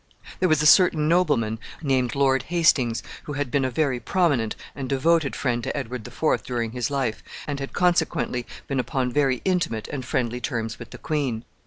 There was a certain nobleman, named Lord Hastings, who had been a very prominent and devoted friend to Edward the Fourth during his life, and had consequently been upon very intimate and friendly terms with the queen.